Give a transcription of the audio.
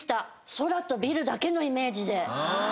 空とビルだけのイメージで。